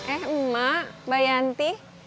eh mak mbak yanti